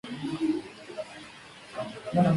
Sin embargo, no hubo un video musical para la canción.